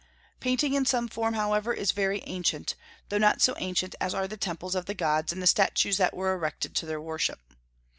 Painting in some form, however, is very ancient, though not so ancient as are the temples of the gods and the statues that were erected to their worship.